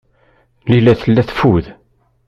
Layla tella teffud.